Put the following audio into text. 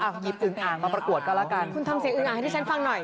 คุณทำเสียงอึ้งอ่างให้ที่ฉันฟังหน่อย